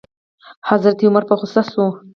حضرت عمر په غوسه شو.